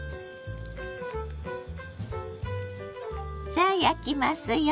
さあ焼きますよ。